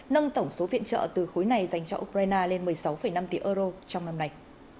nâng tổng số viện trợ từ khối này dành cho ukraine lên một mươi sáu năm tỷ euro trong năm nay